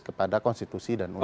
kepada konstitusi dan umat